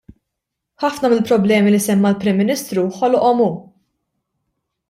Ħafna mill-problemi li semma l-Prim Ministru ħoloqhom hu.